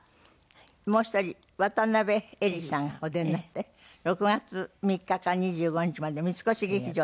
もう１人渡辺えりさんがお出になって６月３日から２５日まで三越劇場でなさいますので。